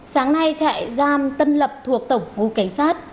sáng nay trại giam tân lập thuộc tổng vụ cảnh sát